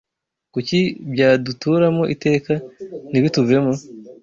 Kuki byaduturamo iteka ntibituvemo?